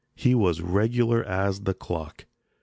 He was as regular as the clock.